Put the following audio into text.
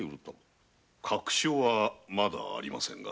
確証はまだありませぬが。